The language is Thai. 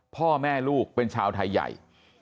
พ่อแม่ลูกเป็นชาวไทยใหญ่